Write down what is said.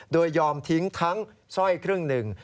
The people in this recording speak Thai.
โดยยอมทิ้งทั้งสร้อยครึ่งหนึ่ง